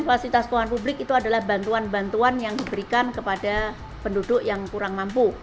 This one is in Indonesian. fasilitas keuangan publik itu adalah bantuan bantuan yang diberikan kepada penduduk yang kurang mampu